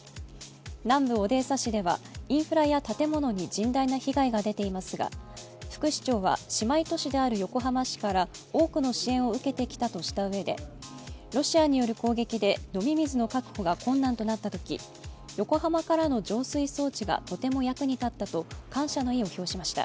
南部オデーサ市ではインフラや建物に甚大な被害が出ていますが、副市長は姉妹都市である横浜市から多くの支援を受けてきたとしたうえでロシアによる攻撃で飲み水の確保が困難となったとき横浜からの浄水装置がとても役に立ったと感謝の意を表しました。